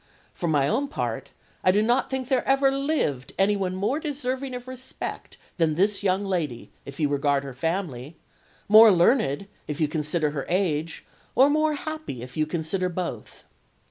"For my own part, I do not think there ever lived any one more deserving of respect than this young lady, if you regard her family; more learned, if you consider her age; or more happy, if you consider both.